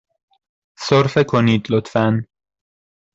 سرفه کنید، لطفاً.